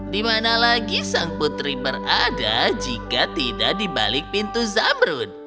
di mana lagi sang putri berada jika tidak di balik pintu zamrun